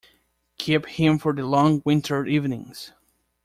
Keep him for the long winter evenings.